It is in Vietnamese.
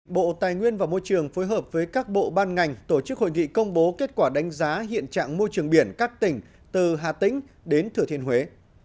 bộ tài nguyên và môi trường phối hợp với các bộ ban ngành tổ chức hội nghị công bố kết quả đánh giá hiện trạng môi trường biển các tỉnh từ hà tĩnh đến thừa thiên huế